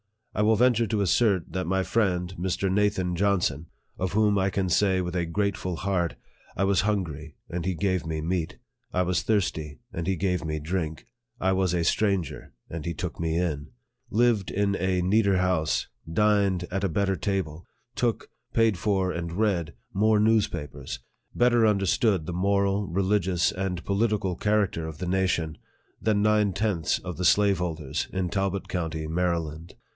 I will venture to assert that my friend Mr. Nathan Johnson (of whom I can say with a grateful heart, " I was hun gry, and he gave me meat ; I was thirsty, and he gave me drink ; I was a stranger, and he took me in ") lived in a neater house ; dined at a better table ; took, paid for, and read, more newspapers; better understood the moral, religious, and political character of the nation, than nine tenths of the slaveholders in Talbot county LIFE OF FREDERICK DOUGLASS. 115 Maryland.